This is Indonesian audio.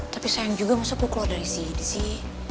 tapi sayang juga masa gue keluar dari sini sih